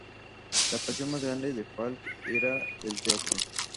La pasión más grande de Falk era el teatro.